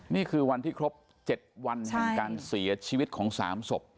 นี่คือวันที่ครบ๗วันแห่งการเสียชีวิตของ๓ศพ